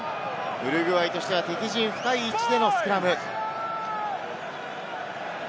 ウルグアイとしては敵陣深い位置でのスクラム。